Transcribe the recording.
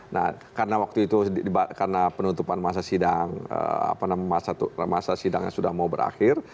nah karena waktu itu karena penutupan masa sidang masa sidangnya sudah mau berakhir